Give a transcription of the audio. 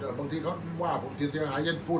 อันไหนที่มันไม่จริงแล้วอาจารย์อยากพูด